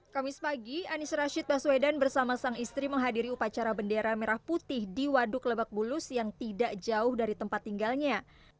kamis pagi anies rashid baswedan bersama sang istri menghadiri upacara bendera merah putih di waduk lebak bulus yang tidak jauh dari tempat tinggalnya